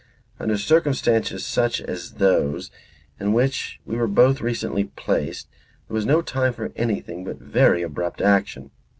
"Under circumstances such as those in which we were both recently placed there was no time for anything but very abrupt action.